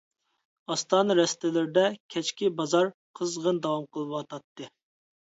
ئاستانە رەستىلىرىدە كەچكى بازار قىزغىن داۋام قىلىۋاتاتتى.